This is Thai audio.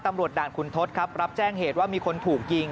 ถ้าตำรวจด่านขุนทศครับรับแจ้งเหตุว่ามีคนถูกยิง